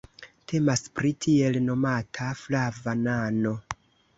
Temas pri tiel nomata "flava nano".